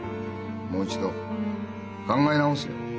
もう一度考え直せ。